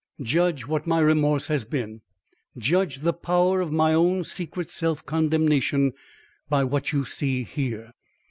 Judge what my remorse has been; judge the power of my own secret self condemnation, by what you see here."